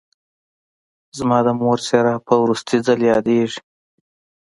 زما د مور څېره په وروستي ځل یادېږي